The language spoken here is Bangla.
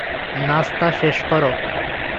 নাস্তা শেষ করো!